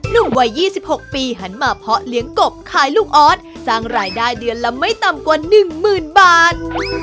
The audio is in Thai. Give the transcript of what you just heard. ลุงวัยยี่สิบหกปีหันมาเพาะเลี้ยงกบขายลูกออสสร้างรายได้เดือนละไม่ต่ำกว่าหนึ่งหมื่นบาท